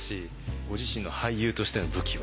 ご自身の俳優としての武器は？